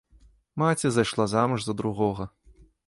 Маці зайшла замуж за другога.